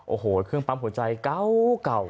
โอ้โหเครื่องปั๊มหัวใจเก่า